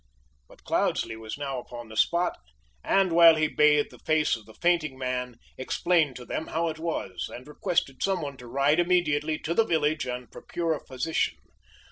But Cloudesley was now upon the spot, and while he bathed the face of the fainting man, explained to them how it was, and requested some one to ride immediately to the village and procure a physician.